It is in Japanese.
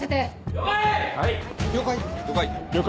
了解。